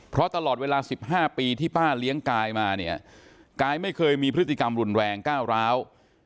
เพราะตลอดเวลา๑๕ปีที่ป้าเลี้ยงกายมาเนี่ยกายไม่เคยมีพฤติกรรมรุนแรงก้าวร้าว